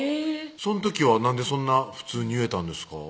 その時はなんでそんな普通に言えたんですか？